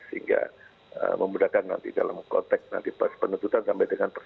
sehingga memudahkan nanti dalam konteks nanti pas penuntutan sampai dengan persidangan